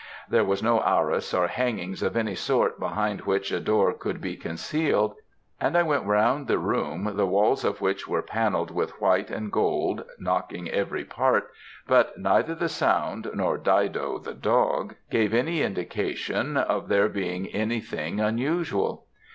There was no arras or hangings of any sort behind which a door could be concealed; and I went round the room, the walls of which were pannelled with white and gold, knocking every part, but neither the sound, nor Dido, the dog, gave any indications of there being anything unusual.